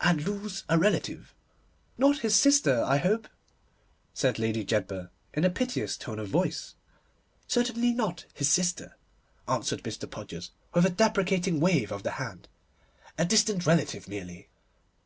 'And lose a relative.' 'Not his sister, I hope?' said Lady Jedburgh, in a piteous tone of voice. 'Certainly not his sister,' answered Mr. Podgers, with a deprecating wave of the hand, 'a distant relative merely.